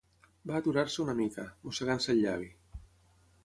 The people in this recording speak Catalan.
Va aturar-se una mica, mossegant-se el llavi.